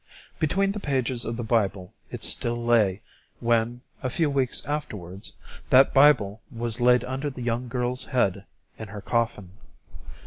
Between the pages of the Bible it still lay when, a few weeks afterwards, that Bible was laid under the young girl's head in her coffin.